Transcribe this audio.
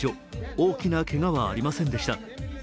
大きなけがはありませんでした。